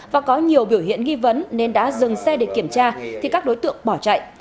và có nhiều biểu hiện nghi vấn nên đã dừng xe để kiểm tra thì các đối tượng bỏ chạy